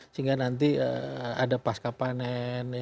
sehingga nanti ada pasca panen